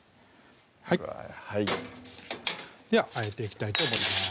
はいうわではあえていきたいと思います